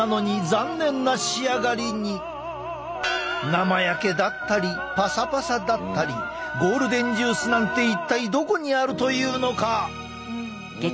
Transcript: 生焼けだったりパサパサだったりゴールデンジュースなんて一体どこにあるというのか。